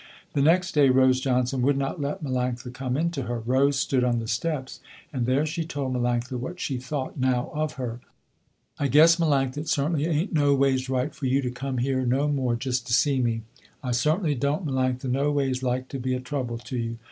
The next day Rose Johnson would not let Melanctha come in to her. Rose stood on the steps, and there she told Melanctha what she thought now of her. "I guess Melanctha it certainly ain't no ways right for you to come here no more just to see me. I certainly don't Melanctha no ways like to be a trouble to you.